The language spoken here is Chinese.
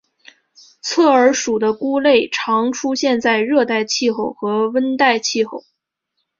侧耳属的菇类常出现在热带气候和温带气候。